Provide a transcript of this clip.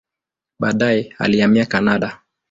Baadaye alihamia Kanada.